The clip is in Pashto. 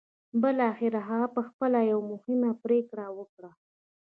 بالاخره هغه پخپله یوه مهمه پرېکړه وکړه